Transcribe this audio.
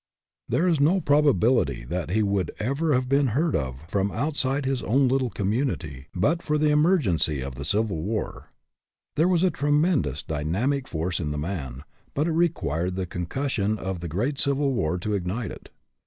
There is no probability that he would ever have been heard from out side of his own little community but for the emergency of the Civil War. There was a tremendous dynamic force in the man, but it required the concussion of the great Civil War to ignite it.